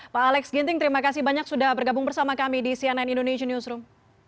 pak alex ginting terima kasih banyak sudah bergabung bersama kami di cnn indonesian newsroom